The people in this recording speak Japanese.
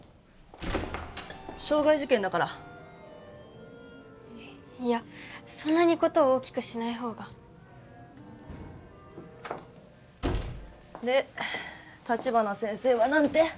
傷害事件だからいやそんなに事を大きくしない方がで立花先生は何て？